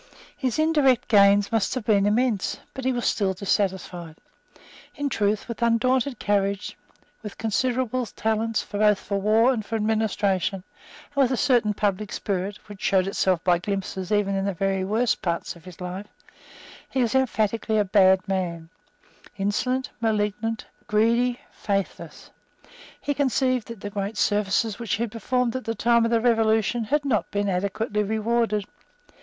His indirect gains must have been immense. But he was still dissatisfed. In truth, with undaunted courage, with considerable talents both for war and for administration, and with a certain public spirit, which showed itself by glimpses even in the very worst parts of his life, he was emphatically a bad man, insolent, malignant, greedy, faithless. He conceived that the great services which he had performed at the time of the Revolution had not been adequately rewarded.